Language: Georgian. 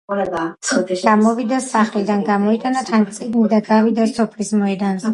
გამოვიდა სახლიდან, გამოიტანა თან წიგნი და გავიდა სოფლის მოედანზე